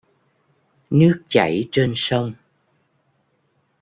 Nước chảy trên sông